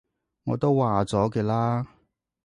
我都話咗嘅啦